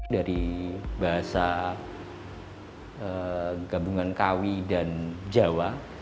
dari bahasa gabungan kawi dan jawa